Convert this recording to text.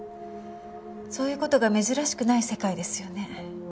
そういう事が珍しくない世界ですよね。